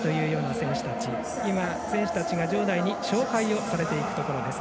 選手たちが場内に紹介をされているところです。